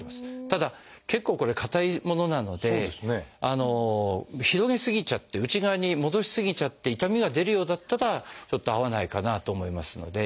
ただ結構これ硬いものなので広げ過ぎちゃって内側に戻し過ぎちゃって痛みが出るようだったらちょっと合わないかなと思いますので。